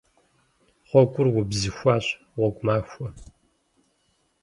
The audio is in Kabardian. Гъуэгур убзыхуащ. Гъуэгу махуэ!